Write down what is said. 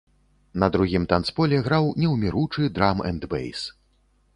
На другім танцполе граў неўміручы драм-энд-бэйс.